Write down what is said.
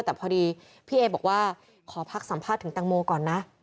แต่พอดีพี่เอบอกว่าขอพักสัมภาษณ์ถึงแตงโมก่อนนะ